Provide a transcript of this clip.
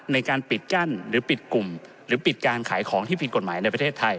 ในการปิดกั้นหรือปิดกลุ่มหรือปิดการขายของที่ผิดกฎหมายในประเทศไทย